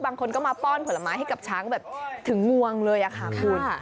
บางคนก็มาป้อนผลไม้ให้กับช้างแบบถึงงวงเลยค่ะคุณ